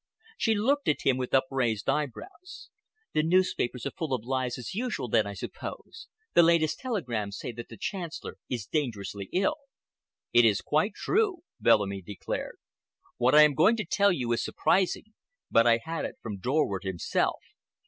She looked at him with upraised eyebrows. "The newspapers are full of lies as usual, then, I suppose. The latest telegrams say that the Chancellor is dangerously ill." "It is quite true," Bellamy declared. "What I am going to tell you is surprising, but I had it from Dorward himself.